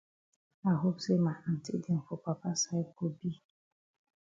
I hope say ma aunty dem for papa side go be.